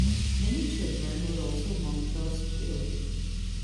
Many children were also among those killed.